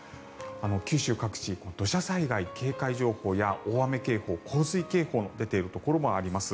九州各地土砂災害警戒情報や大雨警報洪水警報の出ているところもあります。